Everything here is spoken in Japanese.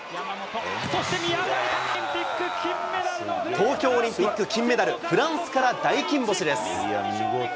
東京オリンピック金メダル、フランスから大金星です。